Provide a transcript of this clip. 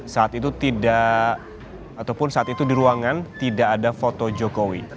saat itu tidak ataupun saat itu di ruangan tidak ada foto jokowi